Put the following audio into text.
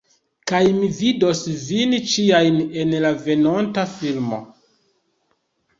Kaj mi vidos vin ĉijn en la venonta filmo